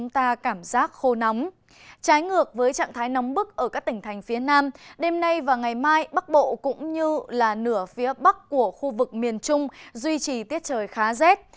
trái ngược với trạng thái nóng bức ở các tỉnh thành phía nam đêm nay và ngày mai bắc bộ cũng như nửa phía bắc của khu vực miền trung duy trì tiết trời khá rét